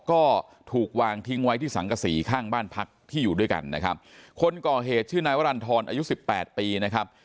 ก็ถูกวางทิ้งไว้ที่สังกษีข้างบ้านพักที่อยู่ด้วยกันนะครับคนก่อเหตุชื่อนายวรรณฑรอายุสิบแปดปีนะครับ